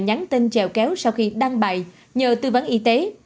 nhắn tin trèo kéo sau khi đăng bài nhờ tư vấn y tế